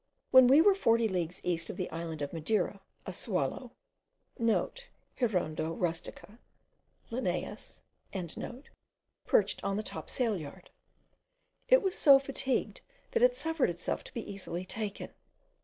When we were forty leagues east of the island of Madeira, a swallow* (* Hirundo rustica, Linn.) perched on the topsail yard. It was so fatigued, that it suffered itself to be easily taken.